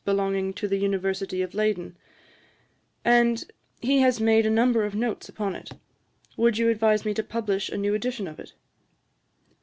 belonging to the University of Leyden, and he has made a number of Notes upon it. Would you advise me to publish a new edition of it?'